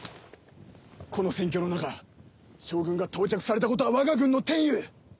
この戦況の中将軍が到着されたことはわが軍の天ゆう！